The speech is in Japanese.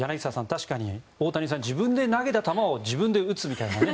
確かに大谷さん自分で投げた球を自分で打つみたいなね